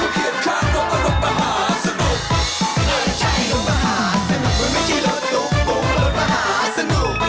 โปรดติดตามตอนต่อไป